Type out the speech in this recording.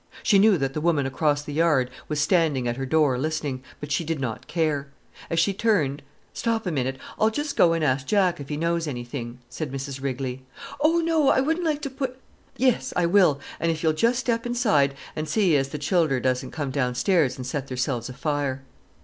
She knew that the woman across the yard was standing at her door listening, but she did not care. As she turned: "Stop a minute! I'll just go an' ask Jack if e' knows anythink," said Mrs Rigley. "Oh, no—I wouldn't like to put——!" "Yes, I will, if you'll just step inside an' see as th' childer doesn't come downstairs and set theirselves afire."